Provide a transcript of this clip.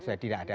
saya tidak ada